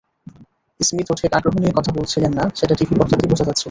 স্মিথও ঠিক আগ্রহ নিয়ে কথা বলছিলেন না, সেটা টিভি পর্দাতেই বোঝা যাচ্ছিল।